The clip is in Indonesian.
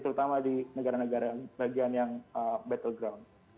terutama di negara negara bagian yang battleground